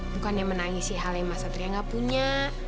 bukannya menangis sih hal yang mas satria nggak punya